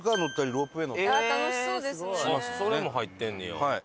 それも入ってんねや。